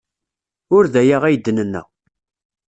Ur d aya ay d-nenna.